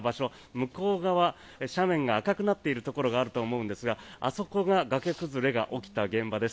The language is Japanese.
向こう側斜面が赤くなっているところがあると思うんですがあそこが崖崩れが起きた現場です。